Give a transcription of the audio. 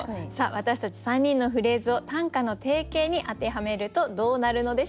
私たち３人のフレーズを短歌の定型に当てはめるとどうなるのでしょうか。